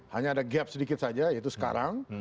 hanya ada gap sedikit saja yaitu sekarang